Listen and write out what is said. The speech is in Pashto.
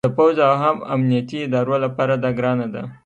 د پوځ او هم امنیتي ادارو لپاره دا ګرانه ده